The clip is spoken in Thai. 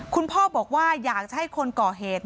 คุณพ่อบอกว่าอยากจะให้คนก่อเหตุ